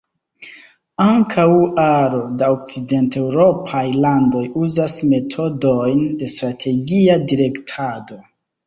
Ankaŭ aro da okcidenteŭropaj landoj uzas metodojn de strategia direktado.